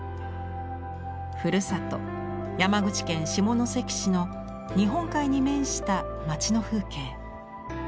ふるさと山口県下関市の日本海に面した町の風景。